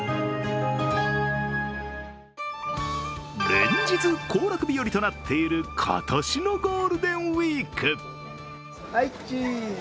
連日、行楽日和となっている今年のゴールデンウイーク。